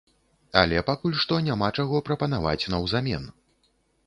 Але пакуль што няма чаго прапанаваць наўзамен.